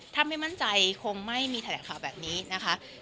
ถ้าไม่มั่นใจคงไม่มีแถลงข่าวแบบนี้นะคะ